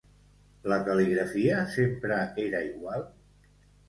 La cal·ligrafia sempre era igual?